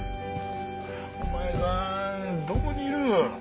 お前さんどこにいる？